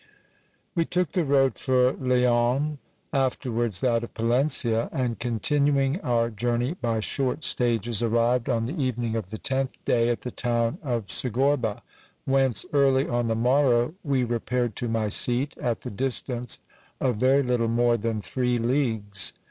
We took the road for Leon, afterwards that of Palencia ; and, continuing our journey by short stages, arrived on the evening of the tenth day at the town of Segorba, whence early on the morrow we repaired to my seat, at the distance of very little more than three leagues.